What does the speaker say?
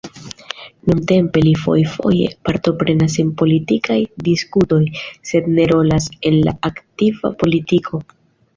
Nuntempe li fojfoje partoprenas en politikaj diskutoj, sed ne rolas en la aktiva politiko.